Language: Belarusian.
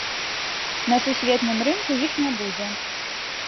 На сусветным рынку іх не будзе.